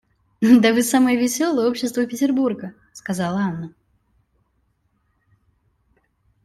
Да вы самое веселое общество Петербурга,— сказала Анна.